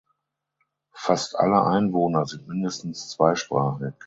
Fast alle Einwohner sind mindestens zweisprachig.